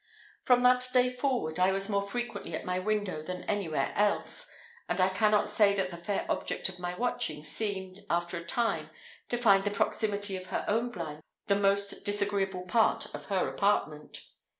From that day forward, I was more frequently at my window than anywhere else; and I cannot say that the fair object of my watchings seemed, after a time, to find the proximity of her own blind the most disagreeable part of her apartment.